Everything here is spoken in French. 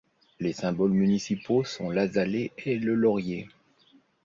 Les symboles municipaux sont l'azalée et le laurier.